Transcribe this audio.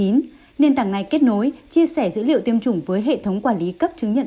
nền tảng này kết nối chia sẻ dữ liệu tiêm chủng với hệ thống quản lý cấp chứng nhận